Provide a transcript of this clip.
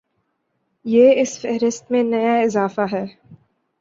یہ اس فہرست میں نیا اضافہ ہے